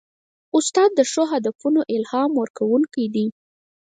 استاد د ښو هدفونو الهام ورکوونکی دی.